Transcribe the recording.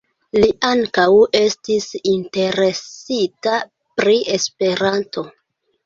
Li ankaŭ estis interesita pri Esperanto.